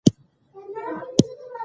دا کتاب به د ځوانانو فکرونه روښانه کړي.